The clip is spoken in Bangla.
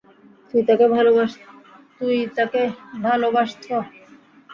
তুই তাকে ভালোবাসছ?